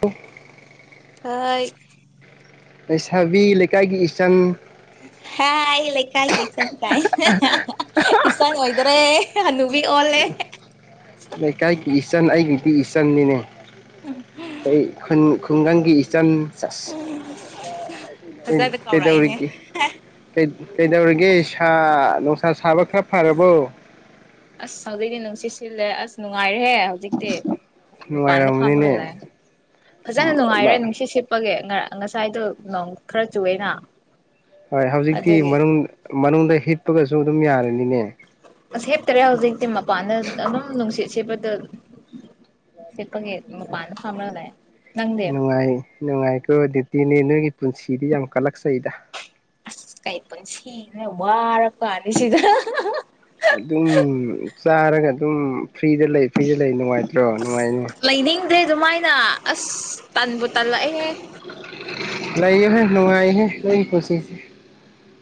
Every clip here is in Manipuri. ꯇ ꯍꯥꯏ ꯑꯦꯁꯕꯤꯀ ꯏꯁꯆꯟ ꯍꯥꯏ ꯂꯩꯀꯥꯏꯒꯤ ꯏ ꯀꯥꯏꯅ ꯏꯁꯥꯟ ꯑꯣꯏ ꯏꯗꯔꯦ ꯁꯅꯨꯕꯤ ꯑꯣꯜꯂꯦ ꯂꯩ ꯀꯥꯏꯀꯤ ꯏꯆꯟ ꯑꯩꯒꯤ ꯏꯄꯤ ꯏꯆꯟꯅꯤꯅꯦ ꯑꯩ ꯈꯨꯡꯒꯪꯒꯤ ꯏꯆꯟ ꯆꯁꯤ ꯐꯖꯅ ꯀꯧꯔꯛꯏꯅꯦ ꯀꯩꯗꯔꯤꯒꯦ ꯀꯩꯗꯧꯔꯤꯒꯦ ꯁꯥ ꯥ ꯁꯕꯛꯈ꯭ꯔꯥ ꯐꯔꯔꯕꯣ ꯦꯁꯅ ꯅꯨꯡꯉꯥꯏꯔꯦ ꯍꯧꯖꯤꯛꯇꯤ ꯃꯄꯥꯟꯗ ꯅꯨꯡꯉꯥꯏꯔꯝꯃꯅꯤꯅꯦ ꯐꯥꯝꯃꯒꯂꯑꯦ ꯐꯖꯅ ꯅꯨꯡꯉꯥꯏꯔꯦ ꯅꯨꯡꯁꯤꯠ ꯁꯤꯠꯄꯒꯤꯦ ꯉꯁꯥꯏꯗꯣ ꯅꯣꯡ ꯈꯔ ꯆꯨꯑꯦꯅ ꯍꯣꯏ ꯍꯧꯖꯤꯛꯇꯤ ꯑꯗꯨꯒꯤ ꯃꯅꯨꯡꯗ ꯍꯤꯠꯄꯒꯁꯨ ꯑꯗꯨꯝ ꯌꯥꯔꯅꯤꯅꯦ ꯁꯦꯞꯇꯔꯦ ꯍꯧꯖꯤꯛꯇꯤ ꯃꯄꯥꯟꯗ ꯑꯗꯨꯝ ꯅꯨꯡꯁꯤꯠ ꯁꯦꯄ ꯑꯗꯨ ꯑꯗꯨ ꯁꯤꯦꯄꯒꯦ ꯄꯥꯅ ꯐꯝꯕꯅ ꯅꯪꯗꯦꯕ ꯑꯗꯨꯅꯦ ꯅꯣꯏꯒꯤ ꯄꯨꯟꯁꯤꯗꯤ ꯌꯥꯝ ꯀꯜꯂꯛꯆꯩꯗ ꯑꯁ ꯀꯩ ꯄꯨꯟꯁꯤꯅ ꯋꯥꯔ ꯀꯅꯤ ꯁꯤꯗ ꯑꯗꯨꯝ ꯆꯥꯔꯒ ꯑꯗꯨꯝ ꯐ꯭ꯔꯤꯗ ꯂꯩ ꯐ꯭ꯔꯤꯗ ꯂꯩ ꯅꯨꯡꯉꯥꯏꯇ ꯑꯣ ꯅꯨꯡꯉꯥꯏꯅꯦ ꯑꯗꯩ ꯑꯗꯨꯃꯥꯏꯅ ꯑꯁ ꯇꯟꯕꯨ ꯇꯜꯂꯛꯑꯦꯍ ꯂꯩꯥꯏꯌ ꯍ ꯅꯨꯡꯉꯥꯏ ꯍ ꯂꯩ ꯈꯨꯁꯤꯁꯤꯦ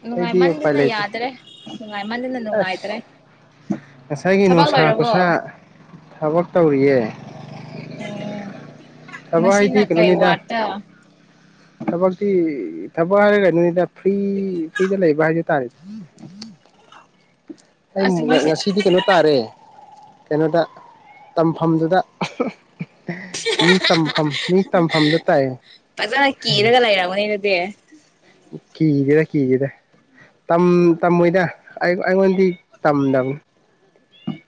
ꯅꯨꯡꯉꯥꯏꯃꯟꯗꯅ ꯌꯥꯗ꯭ꯔꯦ ꯅꯨꯡꯉꯥꯏꯃꯟꯗꯅ ꯅꯨꯡꯉꯥꯏꯇ꯭ꯔꯦ ꯑꯁ ꯉꯁꯥꯏꯒꯤ ꯊꯕꯛ ꯅꯨꯡꯁꯥ ꯂꯣꯏꯔꯕꯣ ꯈꯨꯁꯥ ꯊꯕꯛ ꯇꯧꯔꯤꯌꯦ ꯑꯣ ꯊꯕꯛ ꯍꯥꯏꯗꯤ ꯃꯁꯤꯅꯥ ꯀꯩ ꯀꯩꯅꯣꯅꯤꯗ ꯋꯥꯇ ꯊꯕꯛꯇꯤ ꯊꯕꯛ ꯍꯥꯏꯔꯒꯩꯅꯣꯅꯤꯗ ꯐ꯭ꯔꯤ ꯐ꯭ꯔꯤꯗ ꯂꯩ ꯚ ꯍꯥꯏ ꯇꯥꯔ ꯑꯩ ꯑꯁ ꯉꯁꯤ ꯉꯁꯤꯗꯤ ꯀꯩꯅꯣ ꯇꯥꯔꯦ ꯀꯩꯅꯣꯗ ꯇꯝꯐꯝꯗꯨꯗ ꯃꯤ ꯇꯝꯐꯝ ꯃꯤ ꯇꯝꯐꯝꯗ ꯇꯥꯏꯌꯦ ꯐꯖꯅ ꯀꯤꯔꯒ ꯂꯩꯔꯝꯒꯅꯤ ꯑꯗꯨꯗꯤ ꯀꯤꯗꯦꯗ ꯀꯤꯗꯦꯗ ꯇꯝꯃꯣꯏꯗ ꯑꯩꯉꯣꯟꯗꯤ ꯇꯝꯗꯕꯅꯤ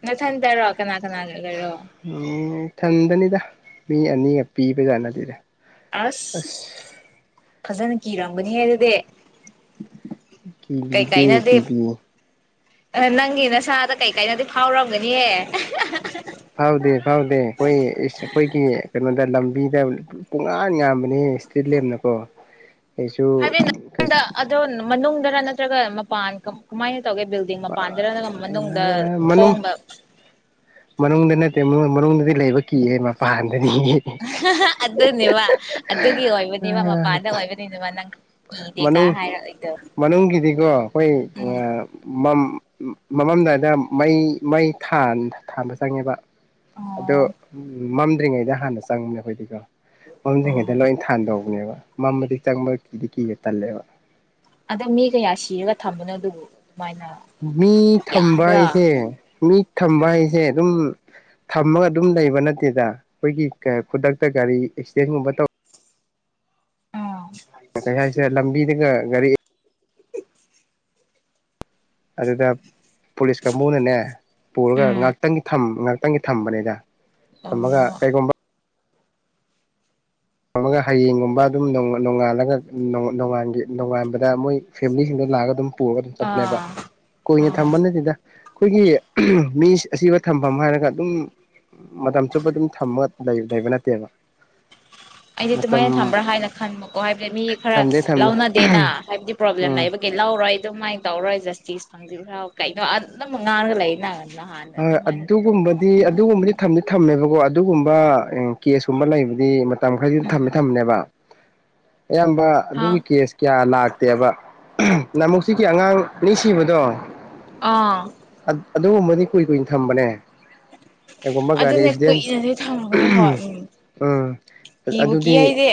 ꯅꯊꯟ ꯇꯔꯣ ꯀꯅꯥ [unintelligible] ꯂꯩꯔꯣ ꯁꯟꯗꯅꯤꯗ ꯃꯤ ꯑꯅꯤꯒ ꯄꯤꯕꯖꯥꯠꯅꯠꯇꯦꯗ ꯑꯁ ꯐꯖ ꯀꯤꯔꯝꯒꯅꯤꯍꯦ ꯑꯗꯨꯗꯦ ꯀꯕꯤꯗꯦ ꯀꯕꯤꯌ ꯑ ꯅꯪꯒꯤ ꯅꯁꯥꯗ ꯀꯩꯀꯩꯅꯣꯗꯤ ꯐꯥꯎꯔꯝꯒꯅꯤꯍꯦ ꯐꯥꯎꯗꯦ ꯐꯥꯎꯗꯦ ꯑꯩꯈꯣꯏ ꯑꯩꯈꯣꯏꯒꯤ ꯀꯩꯅꯣꯗ ꯂꯝꯕꯤꯗ ꯄꯨꯡꯉꯥꯟ ꯉꯟꯕꯅꯤ ꯏꯁꯇꯤꯠ ꯂꯦꯝꯅꯀꯣ ꯀꯩꯁꯨ ꯍꯥꯏꯗꯤ ꯅꯪꯗ ꯑꯗꯣ ꯃꯅꯨꯡꯗꯔ ꯅ ꯄꯥꯟꯝ ꯇꯧꯒꯦ ꯕꯤꯜꯗꯤꯡ ꯃꯄꯥꯟꯗꯔ ꯃꯅꯨꯡꯗ ꯃꯅꯨꯡ ꯊꯣꯡꯕ ꯃꯅꯨꯡꯗ ꯅꯠꯇꯦ ꯃꯅꯨꯡꯗꯗꯤ ꯂꯩꯕ ꯀꯤꯌꯦ ꯃꯄꯥꯟ ꯑꯗꯨꯅꯤꯕ ꯑꯗꯨꯒꯤ ꯑꯣꯏꯕꯅꯤꯕ ꯃꯄꯥꯥꯟꯗ ꯑꯣꯏꯕꯅꯤꯅꯦꯕ ꯅꯪ ꯀꯤꯗꯦꯒ ꯃꯅꯨꯡ ꯍꯥꯏꯔꯛꯏꯗꯣ ꯃꯅꯨꯡꯒꯤꯗꯤꯀꯣ ꯑꯩꯈꯣꯏ ꯎꯝ ꯃꯃꯝꯗꯥꯏꯗ ꯃꯩ ꯃꯩ ꯊꯥꯟꯕ ꯆꯪꯉꯦꯕ ꯑꯗꯣ ꯑꯣ ꯃꯝꯗ꯭ꯔꯤꯉꯩꯗ ꯍꯥꯟꯅ ꯆꯪꯕꯅꯦ ꯑꯩꯈꯣꯏꯗꯤꯀꯣ ꯃꯐꯝꯁꯤꯡꯩꯗ ꯑꯣ ꯂꯣꯏ ꯊꯥꯟꯗꯧꯕꯅꯦꯕ ꯃꯗꯤ ꯆꯪꯃ ꯀꯤꯗꯤ ꯀꯤ ꯇꯂꯦꯕ ꯑꯗꯣ ꯃꯤ ꯀꯌꯥ ꯁꯤꯔꯒ ꯊꯝꯕꯅꯣ ꯑꯗꯨꯕꯨ ꯑꯗꯨꯃꯥꯏꯅ ꯃꯤ ꯊꯝꯕ ꯌꯥꯝꯕ꯭ꯔꯥ ꯍꯥꯏꯁꯦ ꯃꯤ ꯊꯝꯕ ꯍꯥꯏꯁꯦ ꯑꯗꯨꯝ ꯊꯝꯃꯒ ꯑꯗꯨꯝ ꯂꯩꯕ ꯅꯠꯇꯦꯗ ꯑꯩꯈꯣꯏꯒꯤ ꯈꯨꯗꯛꯇ ꯒꯥꯔꯤ ꯑꯦꯛꯁꯤꯗꯦꯟꯒꯨꯝꯕ ꯇꯧ ꯑ ꯀꯩ ꯍꯥꯏꯁꯦ ꯂꯝꯕꯤꯗꯒ ꯒꯥꯔꯤ ꯑꯗꯨꯗ ꯄꯨꯂꯤꯁ ꯀꯥꯡꯕꯨꯅꯅꯦ ꯄꯨꯔꯒ ꯎꯝ ꯉꯥꯛꯇꯪꯒꯤ ꯉꯍꯥꯛꯇꯪꯒꯤ ꯊꯝꯕꯅꯤꯗ ꯊꯝꯃꯒ ꯑꯣ ꯀꯩꯒꯨꯝꯕ ꯍꯌꯦꯡꯒꯨꯝꯕ ꯑꯗꯨꯝ ꯅꯣꯡꯉꯥꯜꯂꯒ ꯅꯣꯡ ꯅꯣꯡꯉꯥꯟꯕꯗ ꯃꯣꯏ ꯐꯦꯃꯤꯂꯤꯁꯤꯡꯗꯣ ꯂꯥꯛꯑꯒ ꯑꯗꯨꯝ ꯄꯨꯔꯒ ꯑꯗꯨꯝ ꯆꯠꯄꯅꯦꯕ ꯑꯥ ꯀꯨꯏꯅ ꯑꯣ ꯊꯝꯕ ꯅꯠꯇꯦꯗ ꯑꯩꯈꯣꯏꯒꯤ ꯃꯤ ꯑꯁꯤꯕ ꯊꯝꯐꯝ ꯍꯥꯏꯔꯒ ꯑꯗꯨꯝ ꯃꯇꯝ ꯆꯨꯞꯄ ꯑꯗꯨꯝ ꯊꯃ ꯂꯩꯕ ꯅꯠꯇꯦꯕ ꯑꯩꯗꯤ ꯃꯇꯝ ꯑꯗꯨꯨꯃꯥꯏꯅ ꯊꯝꯕ꯭ꯔꯥ ꯍꯥꯏꯅ ꯈꯟꯕꯀꯣ ꯍꯥꯏꯕꯗꯤ ꯃꯤ ꯈꯔ ꯊꯝꯗꯦ ꯊꯝꯗꯦ ꯂꯧꯎꯅꯗꯦꯅ ꯍꯥꯏꯕꯗꯤ ꯄ꯭ꯔꯣꯕ꯭ꯂꯦꯝ ꯎꯝ ꯂꯩꯕꯒꯤ ꯂꯧꯔꯣꯏ ꯑꯗꯨꯃꯥꯏꯅ ꯇꯧꯔꯣꯏ ꯖꯁꯇꯤꯁ ꯐꯪꯕꯤꯈ꯭ꯔꯣ ꯀꯩꯅꯣ ꯑꯗꯨ ꯑꯗꯨꯝ ꯉꯥꯡꯉꯒ ꯂꯩ ꯅꯪꯅꯤ ꯍꯣꯏ ꯑꯗꯨꯒꯨꯝꯕꯗꯤ ꯑꯗꯨꯒꯨꯝꯕꯗꯤ ꯊꯝ ꯊꯝꯃꯦꯕꯀꯣ ꯑꯗꯨꯒꯨꯝꯕ ꯀꯦꯁꯀꯨꯝꯕ ꯂꯩꯕꯗꯤ ꯇꯥ ꯃꯈꯩꯗꯤꯝ ꯎꯝ ꯊꯝꯃꯦ ꯊꯝꯃꯅꯦꯕ ꯑꯌꯥꯝꯕ ꯍꯥꯎ ꯑꯗꯨꯒꯤ ꯀꯦꯁ ꯀꯌꯥ ꯂꯥꯛꯇꯦꯕ ꯅꯃꯨꯛꯁꯤꯒꯤ ꯑꯉꯥꯡꯅꯤ ꯁꯤꯕꯗꯣ ꯑꯥ ꯑꯗꯨꯒꯨꯝꯕꯗꯤ ꯀꯨꯏ ꯀꯨꯏꯅ ꯊꯝꯕꯅꯦ ꯀꯩꯒꯨꯝꯕ ꯒꯥꯔꯤ ꯑꯗꯨꯅꯦ ꯑꯦꯛꯁꯤꯗꯦꯟ ꯀꯨꯏꯅꯗꯤ ꯊꯝꯃꯒꯅꯤ ꯍꯣꯏ ꯎꯝ ꯎꯝ ꯀꯤꯕꯨ ꯀꯤ ꯑꯗꯨꯗꯤ ꯑꯩꯗꯤ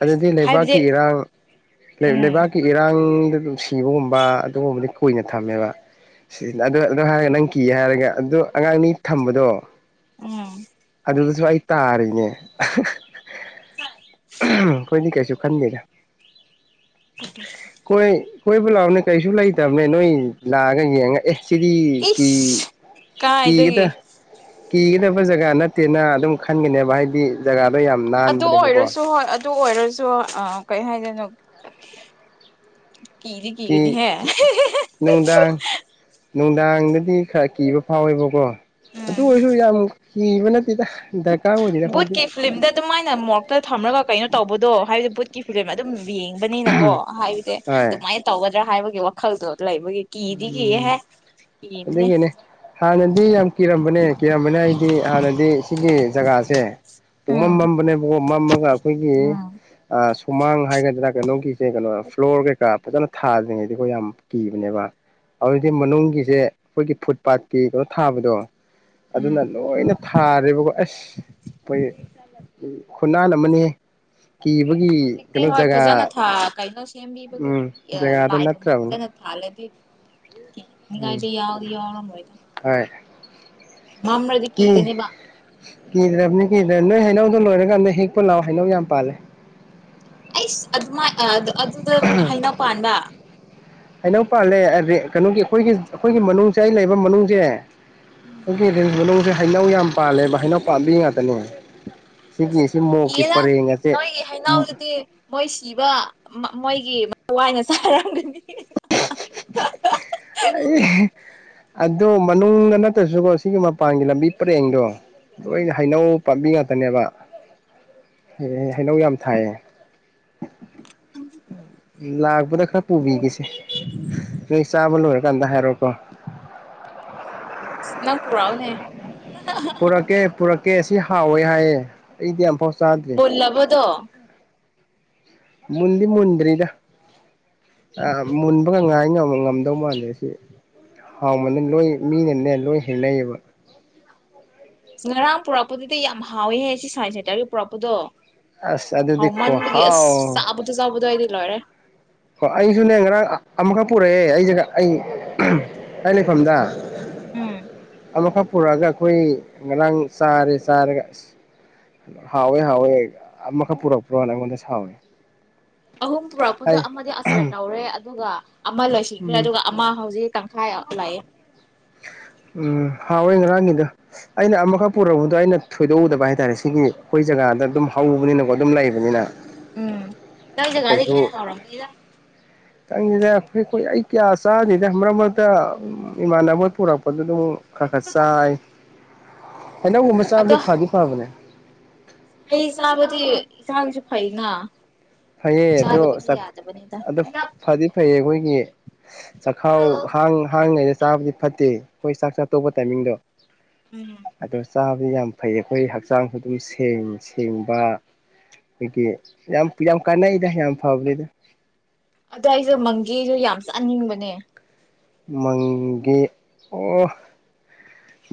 ꯑꯗꯨꯗꯤ ꯍꯥꯏꯕꯗꯤ ꯂꯩꯕꯥꯛꯀꯤ ꯏꯔꯥꯡ ꯎꯝ ꯂꯩꯕꯥꯛꯀꯤ ꯏꯔꯥꯡ ꯁꯤꯕꯒꯨꯝ ꯑꯗꯨꯒ ꯀꯨꯏꯅ ꯊꯝꯃꯦꯕꯔ ꯅ ꯀꯤ ꯍꯥꯏꯔꯒ ꯑꯣ ꯑꯉꯥꯡꯅꯤ ꯊꯝꯕꯗꯣ ꯎꯝ ꯑꯗꯨꯗꯁꯨ ꯑꯩ ꯇꯥꯔꯤꯅꯦ ꯑꯩꯈꯣꯏꯗꯤ ꯀꯩꯁꯨ ꯈꯟꯗꯦꯗ ꯀꯣꯏ [unintelligible] ꯀꯣꯏꯕ ꯂꯥꯛꯑꯣꯅꯦ ꯀꯩꯁꯨ ꯂꯩꯇꯕꯅꯦ ꯅꯣꯏ ꯂꯥꯛꯑ ꯑꯩꯅ ꯌꯦꯡꯉꯛ ꯑꯦ ꯁꯤꯗꯤ ꯏꯁ ꯀꯥꯏꯗꯒꯤ [unintelligible] ꯀꯤꯒꯗꯕ ꯖꯒꯥ ꯅꯠꯇꯦꯅ ꯑꯗꯨꯝ ꯈꯟꯒꯅꯦꯕ ꯍꯥꯏꯗꯤ ꯖꯒꯥ ꯑꯗꯨ ꯑꯣꯏꯔꯁꯨ ꯍꯣꯏ ꯑꯗꯨ ꯑꯣꯏꯔꯁꯨ ꯑ ꯀꯩ ꯍꯥꯏꯗꯣꯏꯅꯣ [unintelligible] ꯀꯗꯤ ꯀ ꯀꯤ ꯀꯅꯤ ꯍꯥꯏ ꯅꯨꯡꯗꯥꯡ ꯅꯨꯡꯗꯥꯡꯗꯗꯤ ꯈꯔ ꯀꯤꯕ ꯐꯥꯎꯋꯦꯕꯀꯣ ꯑꯗꯨ ꯎꯝ ꯑꯣꯏꯔꯁꯨ ꯌꯥꯝ ꯍ ꯃꯅꯦ ꯄꯤꯗ ꯕꯨꯠꯀꯤ ꯐꯤꯂꯝꯗ ꯑꯗꯨꯃꯥꯏꯅ ꯃꯣꯔꯣꯛꯇ ꯊꯝꯃꯒ ꯀꯩꯅꯣ ꯇꯧꯕꯗꯣ ꯍꯥꯏꯕꯗꯤ ꯕꯨꯠꯀꯤ ꯐꯤꯂꯝ ꯑꯗꯨꯝ ꯌꯦꯡꯕꯅꯤꯅꯀꯣ ꯍꯥꯏꯁꯦ ꯍꯣꯏ ꯑꯗꯨꯃꯥꯏꯅ ꯇꯧꯒ ꯍꯥꯏꯕꯒꯤ ꯋꯥꯈꯜꯗꯣ ꯂꯩꯕꯒꯤ ꯀꯤꯗꯤ ꯎꯝ ꯀꯤꯌꯦꯍꯦ ꯀꯤꯕꯅꯦ ꯑꯗꯨꯒꯤꯅꯦ ꯍꯥꯟꯅꯗꯤ ꯌꯥꯝ ꯀꯤꯔꯝꯕꯅꯦ ꯀꯤꯔꯝꯕꯅꯦ ꯍꯥꯏꯗꯤ ꯍꯥꯟꯅꯗꯤ ꯁꯤꯒꯤ ꯖꯒꯥ ꯦ ꯄꯨꯡꯃ ꯎꯝ ꯃ ꯃ ꯑꯃꯒ ꯑꯩꯈꯣꯏꯒꯤ ꯎꯝ ꯍꯨꯃꯥꯡ ꯍꯥꯏꯒꯗ꯭ꯔꯥ ꯀꯩꯅꯣꯒꯤꯁꯦ ꯀꯩꯅꯣ ꯐ꯭ꯂꯣꯔ ꯀꯩꯀꯥ ꯐꯖꯅ ꯊꯥꯗ꯭ꯔꯤꯉꯩꯗꯤꯀꯣ ꯌꯥꯝ ꯀꯤꯕꯅꯦꯕ ꯑꯗꯨꯗꯤ ꯃꯅꯨꯡꯒꯤꯁꯦ ꯑꯩꯈꯣꯏꯒꯤ ꯐꯨꯠ ꯄꯥꯠꯀꯤ ꯀꯩꯅꯣ ꯊꯥꯕꯗꯣ ꯎꯝ ꯑꯗꯨꯅ ꯂꯣꯏꯅ ꯊꯥꯔꯦꯕꯀꯣ ꯑꯁ ꯑꯩꯈꯣꯏ ꯈꯨꯟꯅꯥꯟ ꯑꯃꯅꯤ ꯀꯤꯕꯒꯤ ꯍꯧꯖꯤꯛꯇꯤ ꯀꯩꯅꯣ ꯍꯣꯏ ꯖꯒꯥ ꯐꯖꯅ ꯀꯩꯅꯣ ꯁꯦꯝꯕꯤꯕꯒꯤ ꯎꯝ ꯖꯒꯥꯗꯣ ꯂꯥꯏꯒꯨꯝꯕ ꯅꯠꯇ꯭ꯔꯕꯅꯤ ꯐꯖꯅ ꯊꯥꯜꯂꯗꯤ ꯎꯝ ꯍꯥꯏꯗꯤ ꯌꯥꯎꯗꯤ ꯌ ꯌꯥ ꯝ ꯑꯣꯏ ꯍꯣꯏ ꯃꯥꯝ꯭ꯔꯗꯤ ꯀꯤ ꯀꯅꯤꯕ ꯀꯤꯗ꯭ꯔꯕꯅꯤ ꯀꯤꯗ꯭ꯔꯕ ꯅꯣꯏ ꯍꯩꯅꯧꯗꯣ ꯂꯣꯏꯔꯀꯥꯟꯗ ꯍꯦꯛꯄ ꯂꯥꯛꯑꯣ ꯍꯩꯅꯧ ꯌꯥꯝ ꯄꯥꯜꯂꯦ ꯑꯩꯁ ꯑꯗꯨꯃꯥꯏ ꯑꯗꯨꯗ ꯍꯩꯅꯧ ꯄꯥꯟꯕ ꯍꯩꯅꯧ ꯄꯥꯜꯂꯦ ꯀꯩꯅꯣꯒꯤ ꯑꯩꯈꯣꯏꯒꯤ ꯑꯩꯈꯣꯏꯒꯤ ꯃꯅꯨꯡꯁꯦ ꯑꯩ ꯂꯩꯕ ꯃꯅꯨꯡꯁꯦ ꯎꯝ ꯈꯣꯏꯒꯤ ꯔꯦꯟ ꯃꯅꯨꯡꯁꯦ ꯍꯩꯅꯧ ꯌꯥꯝ ꯄꯥꯜꯂꯦꯕ ꯍꯩꯅꯧ ꯄꯥꯝꯕꯤ ꯉꯛꯇꯥꯅꯤ ꯑꯁ ꯏꯌꯦꯗ ꯅꯣꯏꯒꯤ ꯍꯩꯅꯥꯎꯗꯨꯗꯤ ꯃꯣꯏ ꯁꯤꯕ ꯃꯣꯏꯒꯤ ꯊꯋꯥꯏꯅ ꯆꯥꯔꯝꯒꯅꯤ ꯑꯩ ꯑꯗꯣ ꯃꯅꯨꯡꯗ ꯅꯠꯇ꯭ꯔꯁꯨꯀꯣ ꯁꯤꯒꯤ ꯃꯄꯥꯟꯒꯤ ꯂꯝꯕꯤ ꯄꯔꯦꯡꯗꯣ ꯍ ꯍꯥꯏꯩꯅꯎ ꯄꯥꯕꯤ ꯉ ꯇꯅꯦꯕ ꯍꯩꯅꯧ ꯌꯥꯝ ꯊꯥꯏꯌꯦ ꯂꯥꯛꯕꯗ ꯈꯔ ꯄꯨꯕꯤꯒꯦꯁꯦ ꯆꯥꯕ ꯂꯣꯏꯔꯀꯥꯟꯗ ꯍꯥꯏꯔꯣꯀꯣ ꯅ ꯄꯨꯔꯥꯛꯑꯣꯅꯦ ꯄꯨꯔꯛꯀꯦ ꯄꯨꯔꯛ ꯀꯦ ꯁꯤ ꯍꯥꯎꯋꯦ ꯍꯥꯏꯌꯦ ꯑꯩꯗꯤ ꯌꯥꯝꯐꯥꯎ ꯣꯜꯂꯕꯣꯗ ꯃꯨꯟꯗꯤ ꯃꯨꯟꯗ꯭ꯔꯤꯗ ꯃꯨꯟꯕꯒ ꯉꯥꯏ ꯉ ꯉꯝꯗꯧ ꯃꯜꯂꯦ ꯁꯤ ꯍꯥꯎꯃꯗ ꯂꯣꯏ ꯃꯤꯅꯅꯦ ꯂꯣꯏ ꯍꯦꯅꯩꯌꯦꯕ ꯉꯔꯥꯡ ꯄꯨꯔꯛꯄꯗꯨꯗꯤ ꯌꯥꯝ ꯍꯥꯎꯋꯦꯍꯦ ꯁꯤ ꯁꯥꯏꯟꯁ ꯁꯦꯟꯇꯔꯒꯤ ꯄꯨꯔꯛꯄꯗꯣ ꯑꯁ ꯍꯥꯎ ꯑꯗꯨꯗꯤ ꯃꯟꯕꯒꯤ ꯑꯁ ꯈꯨꯍꯥꯎ ꯆꯥꯕꯗꯣ ꯆꯥꯎꯥꯕꯗꯣ ꯑꯩꯗꯤ ꯂꯣꯏꯔꯦ ꯍ ꯑꯩꯁꯨꯅꯦ ꯉꯔꯥꯡ ꯑꯃꯈꯛ ꯄꯨꯔꯛꯑꯦ ꯑꯩꯁꯒ ꯑꯩ ꯑꯩ ꯂꯩꯐꯝꯗ ꯎꯝ ꯑꯃꯈꯛ ꯄꯨꯔꯛꯑꯒ ꯑꯩꯈꯣꯏ ꯉꯔꯥꯡ ꯆꯥꯔꯦ ꯆꯥꯔꯒ ꯑꯁ ꯍꯥꯎꯋꯦ ꯍꯥꯎꯋꯦ ꯑꯃꯈꯛ ꯄꯨꯔꯛꯄ꯭ꯔꯣ ꯅꯪꯉꯣꯟꯗ ꯍꯥꯎꯋꯦ ꯑꯍꯨꯝ ꯄꯨꯔꯛꯄꯗꯣ ꯑꯆꯥꯔ ꯇꯧꯔꯦ ꯑꯗꯨꯒ ꯑꯃ ꯂꯣꯏꯁꯤꯟꯈ꯭ꯔꯦ ꯎꯝ ꯑꯗꯨꯒ ꯑꯃ ꯍꯧꯖꯤꯛ ꯇꯪꯈꯥꯏ ꯑꯃ ꯂꯩꯥꯏꯌꯦ ꯎꯝ ꯍꯥꯎꯋꯦ ꯉꯔꯥꯡꯒꯤꯗꯣ ꯑꯩꯅ ꯑꯃꯈꯛ ꯄꯨꯔꯛꯄꯗꯣ ꯑꯩꯅ ꯊꯣꯏꯗꯣꯛꯎꯗꯕ ꯍꯥꯏꯇꯥꯔꯦ ꯁꯤꯒꯤ ꯑꯩꯈꯣꯏ ꯖꯒꯥꯗ ꯑꯗꯨꯝ ꯍꯧꯕꯅꯤꯅꯀꯣ ꯑꯗꯨꯝ ꯂꯩꯕꯅꯤꯅ ꯎꯝ ꯅꯣꯏ ꯖꯒꯥꯗꯒꯤ ꯀꯩꯁꯨ ꯍꯦꯟꯅ ꯍꯥꯎꯔꯝꯒꯅꯤꯗ ꯆꯪꯗꯦꯗꯥ ꯑꯩꯈꯣꯏ ꯑꯩꯈꯣꯏ ꯑꯩ ꯀꯌꯥ ꯑꯁꯥꯅꯤꯗꯦꯔ ꯃꯠꯇ ꯏꯃꯥꯟ ꯑꯃ ꯄꯨꯔ ꯄꯠꯇꯗ ꯑꯃꯨꯛ ꯈꯔ ꯈꯔ ꯆꯥꯏ ꯑꯅꯧꯕ ꯃꯆꯥꯕꯗꯤ ꯑꯗꯣ ꯐꯥꯗꯤ ꯐꯥꯕꯅꯦ ꯍꯩ ꯆꯥꯕꯗꯤ ꯏꯥꯁꯨ ꯐꯩꯅ ꯐꯩꯌꯦ ꯑꯗꯣ ꯆꯥꯗꯕꯗꯤ ꯌꯥꯗꯕꯅꯤꯗ ꯑꯣ ꯐꯗꯤ ꯐꯩꯌꯦ ꯑꯩꯈꯣꯏꯒꯤ ꯆꯥꯛꯈꯥꯎ ꯍꯥꯡ ꯍꯥꯡꯉꯩꯗ ꯆꯥꯕꯗꯤ ꯐꯠꯇꯦ ꯑꯩꯈꯣꯏ ꯆꯥꯛ ꯆꯥꯛ ꯇꯧꯕ ꯇꯥꯏꯃꯤꯡꯗꯣ ꯎꯝ ꯑꯗꯨꯗꯣ ꯆ ꯑꯗꯨ ꯌꯥꯝ ꯐꯩ ꯑꯩꯈꯣꯏ ꯍꯛꯆꯥꯡꯁꯨ ꯑꯗꯨꯝ ꯁꯦꯡꯕ ꯑꯩꯈꯣꯏꯒꯤ ꯌꯥꯝ ꯌꯥꯝ ꯀꯥꯟꯅꯩꯗ ꯌꯥꯝ ꯐꯕꯅꯤꯗ ꯑꯗ ꯑꯩꯁꯨꯦ ꯃꯪꯒꯤꯁꯨ ꯌꯥꯝ ꯆꯠꯅꯤꯡꯕꯅꯦ ꯃꯪꯒꯤ ꯑꯣ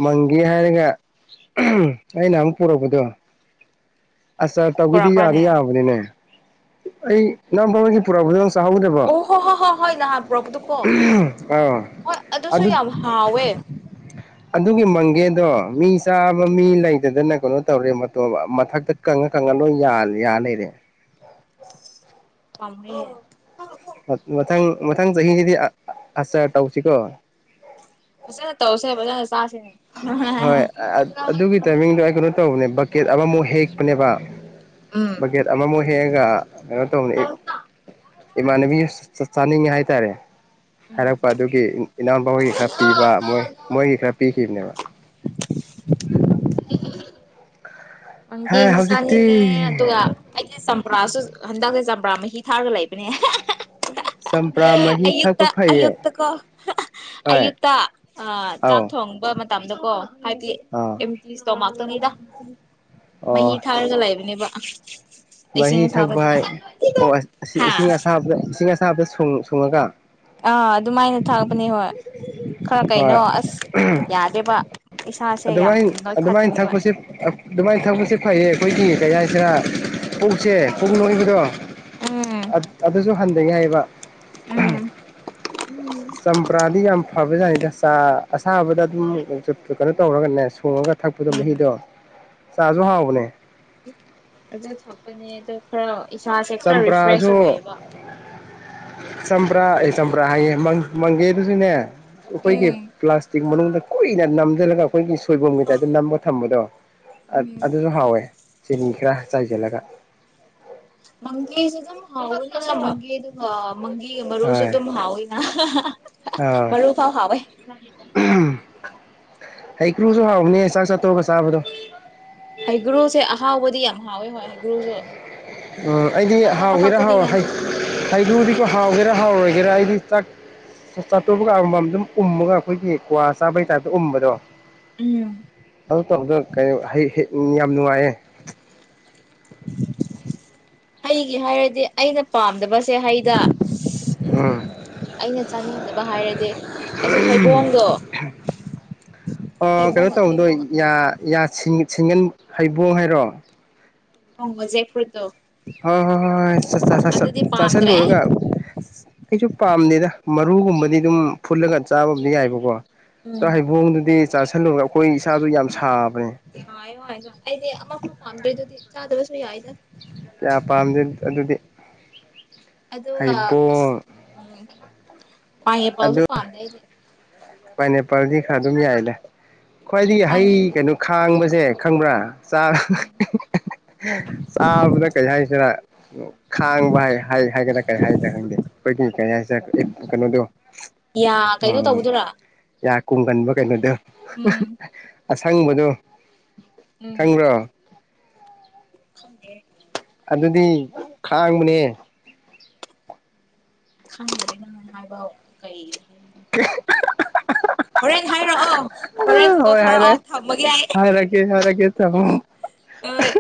ꯃꯪꯒꯦ ꯍꯥꯏꯔꯒ ꯑꯩꯅ ꯑꯃꯨꯛ ꯄꯨꯔꯛꯄꯗꯣ ꯑꯁ ꯇꯧꯤꯗꯤ ꯌꯥꯗꯤ ꯄꯨꯔꯛꯄ꯭ꯔꯥꯅꯦ ꯌꯥꯕꯅꯤꯅꯦ ꯑꯩ ꯌꯥꯝꯝ ꯄꯃꯦꯒꯤ ꯄꯨꯔꯥ ꯄꯨꯖ ꯆꯥꯍꯧꯗꯕꯣ ꯑꯣ ꯍꯣ ꯍꯣ ꯍꯣꯏ ꯍꯣꯏ ꯅꯍꯥꯟ ꯄꯨꯔꯛꯄꯗꯨꯀꯣ ꯑꯥ ꯍꯣꯏ ꯑꯗꯨꯁꯨ ꯌꯥꯝ ꯍꯥꯎꯋꯦ ꯑꯗꯨꯒꯤ ꯃꯪꯒꯦꯗꯣ ꯃꯤ ꯆꯥꯕ ꯃꯤ ꯂꯩꯇꯗꯅ ꯀꯩꯅꯣ ꯇꯧꯔꯦ ꯃꯊꯛꯇ ꯀꯉꯣ ꯀꯪꯍꯜꯂꯣꯏ ꯌꯥ ꯌꯥ ꯂꯩꯔꯦ ꯀꯃꯔꯤ ꯃꯊꯪ ꯃꯊꯪ ꯆꯍꯤꯁꯤꯗꯤ ꯑꯆꯥꯔ ꯇꯧꯁꯤꯀꯣ ꯑꯁꯦꯅꯦ ꯇꯧꯁꯦꯕꯖ ꯁꯥꯁꯤꯅꯦ ꯍꯣꯏ ꯑꯗꯨꯒꯤ ꯇꯥꯏꯃꯤꯡꯗꯣ ꯑꯩ ꯀꯩꯅꯣ ꯇꯧꯕꯅꯦ ꯕꯛꯀꯦꯠ ꯑꯃꯃꯨꯛ ꯍꯦꯛꯄꯅꯦꯕ ꯎꯝ ꯕꯛꯀꯦꯠ ꯑꯃꯃꯨꯛ ꯍꯦꯒ ꯑꯉ ꯇꯣ ꯏꯃꯥꯟꯅꯕꯤ ꯆꯥꯅꯤꯡꯉꯦ ꯍꯥꯏꯇꯥꯔꯦ ꯎꯝ ꯍꯥꯏꯔꯛꯄ ꯑꯗꯨꯒꯤ ꯏꯅꯥꯎꯄꯥꯣꯏꯒꯤ ꯈꯔ ꯄꯤꯕ ꯃꯣꯏ ꯃꯣꯏꯒꯤ ꯈꯔ ꯄꯤꯈꯤꯕꯅꯦꯕ [inaudible] ꯪ ꯍꯥ ꯍꯧꯖꯤꯛꯇꯤ ꯀꯦꯅꯤꯡꯉꯦ ꯑꯗꯨꯒ ꯆꯝꯄ꯭ꯔꯥꯁꯨ ꯍꯟꯗꯛꯇꯁꯦ ꯆꯝꯄ꯭ꯔꯥ ꯃꯍꯤ ꯊꯥꯔꯒ ꯂꯩꯕꯅꯦ ꯆꯝꯄ꯭ꯔꯥ ꯃꯍꯤ ꯑꯌꯨꯛꯇ ꯊꯛꯄ ꯐꯩꯌꯦ ꯑꯌꯨꯛꯇ ꯀꯣ ꯍꯣꯏ ꯑꯌꯨꯛꯇ ꯆꯥꯛ ꯑꯧ ꯊꯣꯡꯕ ꯇꯝꯗꯨꯀꯣ ꯍꯥꯏꯗꯤ ꯑꯥ ꯑꯇ ꯇꯣꯃ ꯅꯤꯗ ꯃꯍꯤ ꯑꯣ ꯊꯥꯔꯒ ꯂꯩꯕꯅꯦꯕ [inaudible] ꯃꯍꯤ ꯊꯛꯄ ꯑꯁꯥꯕꯗꯤ ꯍꯥꯏ ꯑꯣ ꯍꯥ ꯏꯁꯤꯡ ꯑꯁꯥꯕꯗ ꯏꯁꯤꯡ ꯑꯁꯥꯕꯗ ꯁ ꯊꯨꯡꯉꯒ ꯑꯥ ꯑꯗꯨꯃꯥꯏꯅ ꯊꯥꯛꯄꯅꯦ ꯍꯣꯏ ꯈꯔ ꯍꯣꯏ ꯀꯩꯅꯣ ꯑꯁ ꯌꯥꯗꯦꯕ ꯏꯁꯥꯁꯦ ꯌꯥꯝ ꯑꯗꯨꯃꯥꯏꯅ ꯑꯗꯨꯃꯥꯏꯅ ꯅꯣꯏꯈꯠꯀꯅꯤꯕ ꯊꯛꯄꯁꯦ ꯑꯗꯨꯃꯥꯏꯅ ꯊꯛꯄꯁꯦ ꯐꯩꯌꯦ ꯑꯩꯈꯣꯏꯒꯤ ꯀꯩ ꯍꯥꯏꯁꯤꯔ ꯄꯣꯛꯁꯦ ꯄꯛ ꯅꯣꯏꯕꯗꯣ ꯎꯝ ꯑꯗꯨꯁꯨ ꯍ ꯅꯤꯡꯉꯥꯏꯕ ꯎꯝ ꯆꯄꯔꯥꯗꯤ ꯑꯝꯐꯥꯕꯖꯥꯏ ꯑ ꯆꯥ ꯑꯁꯥꯕꯗ ꯑꯗꯨꯝ ꯀꯩꯅꯣ ꯇꯧꯔꯒꯅꯦ ꯁꯣꯡꯉꯒ ꯊꯛꯄꯗꯣ ꯎꯝ ꯃꯍꯤꯗꯣ ꯆꯥꯖꯣ ꯍꯥꯎꯕꯅꯦ ꯑꯗꯨꯗ ꯊꯛꯄꯅꯦ ꯑꯗꯣ ꯈꯔ ꯏꯁꯥꯁꯦ ꯈꯔ ꯔꯤꯐ꯭ꯔꯦꯁ ꯆꯝꯄ꯭ꯔꯥꯁꯨ ꯑꯣꯏꯌꯦꯕ ꯕ꯭ꯔꯥ ꯑꯩ ꯆꯄ꯭ꯔꯥ ꯍꯥꯏꯌꯦ ꯃꯪꯒꯦ ꯑꯗꯨꯁꯨꯅꯦ ꯑꯩꯈꯣꯏꯒꯤ ꯎꯝ ꯄ꯭ꯂꯥꯁꯇꯛ ꯃꯅꯨꯡ ꯑꯩꯣꯏꯅ ꯅꯝꯗꯂꯒ ꯑꯩꯈꯣꯏꯒꯤ ꯁꯣꯏꯕꯨꯝꯒꯤ ꯇꯥꯏꯞꯇ ꯅꯝꯕ ꯊꯝꯕꯗꯣ ꯎꯝ ꯑꯗꯨꯁꯨ ꯍꯥꯎꯋꯦ ꯆꯦꯅꯤ ꯈꯔ ꯆꯥꯏꯁꯤꯜꯂꯒ [unintelligible] ꯃꯪꯁꯨ ꯑꯗꯨꯗꯨ ꯃꯪꯒꯤ ꯃꯔꯨꯁꯨ ꯍꯣꯏ ꯑꯗꯨꯝ ꯍꯥꯑꯣꯏ ꯑ ꯑꯥ ꯃꯔꯔꯨ ꯐꯥꯎ ꯐꯋꯦ ꯍꯩ ꯀ꯭ꯔꯨꯁꯨ ꯍꯥꯎꯕꯅꯦ ꯆꯥꯛ ꯆꯥꯠꯇꯣꯛꯑꯒ ꯆꯥꯕꯗꯣ ꯍꯩꯒꯨꯔꯨꯁꯦ ꯑꯍꯥꯎꯕꯗꯤ ꯍꯥꯎ ꯍꯣꯏ ꯍꯒ꯭ꯔꯨꯖ ꯎꯝ ꯑꯩꯗꯤ ꯍꯥꯎꯒꯦꯔ ꯍꯥꯎꯋ ꯍꯩꯔꯨꯗꯤꯀꯣ ꯍꯥꯎꯒꯦꯔꯥ ꯍꯥꯎꯔꯣꯏꯒꯦꯔꯥ ꯑꯩ ꯁꯤ ꯆꯥꯛ ꯆꯥꯇꯣꯛꯧꯕꯒ ꯑꯃꯃꯝ ꯑꯗꯨꯝ ꯎꯝꯃꯒ ꯑꯩꯈꯣꯏꯒꯤ ꯀ꯭ꯋꯥ ꯆꯥꯕꯒꯤ ꯇꯥꯏꯞꯇ ꯎꯕꯗꯣ ꯎꯝ ꯑꯗꯨ [unintelligible] ꯀ ꯍꯥꯏ ꯍ ꯎꯝ ꯌꯥꯝ ꯅꯨꯡꯉꯥꯏꯌꯦ ꯍꯩꯒꯤ ꯍꯥꯏꯔꯗꯤ ꯑꯩꯅ ꯄꯥꯝꯗꯕꯁꯦ ꯍꯩꯗ ꯎꯝ ꯑꯩꯅ ꯆꯥꯅꯤꯡꯗꯕ ꯍꯥꯏꯔꯗꯤ ꯑꯁꯤꯁ ꯍꯩꯕꯣꯡꯗꯣ ꯑꯣ ꯍꯩꯕꯣꯡ ꯍꯩꯕꯣꯡ ꯁꯤꯡꯒꯟ ꯍꯩꯕꯣꯡ ꯍꯥꯏꯔꯣ ꯃꯖꯦ ꯐꯗꯣ ꯍ ꯍꯣꯏ ꯍꯣꯏ ꯍ ꯆ ꯆ ꯆꯁ ꯄꯥꯝꯗ꯭ꯔꯦ ꯂꯨꯔꯒ ꯑꯩꯁꯨ ꯄꯥꯝꯗꯦꯗ ꯃꯔꯨꯒꯨꯝꯕꯗꯤ ꯑꯗꯨꯝ ꯐꯨꯠꯂꯒ ꯆꯥꯕꯕꯨꯗꯤ ꯌꯥꯏꯕꯀꯣ ꯆ ꯎꯝ ꯍꯩꯕꯨꯡꯗꯨꯗꯤ ꯆꯥꯥꯁꯜꯂꯨꯔꯒ ꯑꯩꯈꯣꯏꯅ ꯏꯁꯆꯥꯗꯣ ꯌꯥꯝ ꯁꯥꯕ ꯍꯥꯏꯣ ꯍꯥꯏꯗꯣ ꯑꯩꯗꯤ ꯑꯃ ꯐꯥꯎ ꯄꯥꯝꯗ꯭ꯔꯦ ꯑꯗꯨꯗꯤ ꯆꯥꯗꯕꯁꯨ ꯌꯥꯏꯗ ꯀꯌꯥ ꯄꯥꯝꯗꯦ ꯑꯗꯨꯗꯤ ꯑꯗ ꯍꯩꯕꯣꯡ ꯎꯝ ꯄꯥꯏꯌꯦ ꯄꯥꯎꯁꯨ ꯄꯥꯗꯅꯦ ꯄꯥꯏꯅꯦꯄꯥꯜꯗꯤ ꯈ ꯑꯗꯨꯝ ꯌꯥꯏ ꯂꯩ ꯈ꯭ꯋꯥꯏꯗꯒꯤ ꯍꯩ ꯆꯥꯅꯤꯡꯗꯦ ꯀꯩꯅꯣ ꯈꯥꯡꯕꯁꯦ ꯈꯪꯕ꯭ꯔꯥ ꯆꯥꯕꯗ ꯀꯔꯤ ꯍꯥꯏꯁꯤꯔ ꯈꯥꯡꯕ ꯍꯥꯏꯒꯗ꯭ꯔꯥ ꯀꯔꯤ ꯍꯥꯏꯗ꯭ꯔꯥ ꯈꯪꯗꯦ ꯑꯩꯈꯣꯏꯒꯤ ꯀꯔꯤ ꯍꯥꯏꯁꯤꯔ ꯀꯩꯅꯣꯗꯣ ꯌꯥ ꯑ ꯀꯩꯅꯣ ꯇꯧꯕꯗꯨꯔꯥ ꯌꯥ ꯀꯨꯡꯒꯟꯕ ꯀꯥꯏꯅꯗ ꯎꯝ [inaudible] ꯑꯁꯪꯕꯗꯣ ꯎꯝ ꯊꯪꯕ꯭ꯔꯣ ꯈꯪꯗꯦ ꯑꯗꯨꯗꯤ ꯈꯥꯡꯕꯅꯦ ꯈꯪꯅꯅꯤ ꯅꯪ ꯍꯥꯏꯕ ꯀꯩ ꯍꯥꯏꯅꯣ ꯈꯪꯗꯦ ꯍꯣꯔꯦꯟ ꯍꯥꯏꯔꯛꯑꯣ ꯍꯣꯔꯦꯟ ꯐꯣꯇꯣ ꯍꯣꯏ ꯍꯥꯏꯔ ꯊꯥꯔꯛꯑꯣ ꯊꯝꯃꯒꯦ ꯑꯩ ꯍꯥꯏꯔꯀꯦ ꯍꯥꯏꯔꯀꯦ ꯊꯃ ꯍꯣꯏ